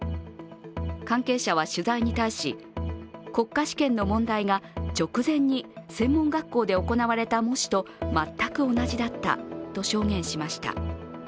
関係者は取材に対し国家試験の問題が直前に専門学校で行われた模試と全く同じだったと証言しました。